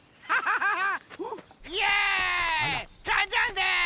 ジャンジャンです！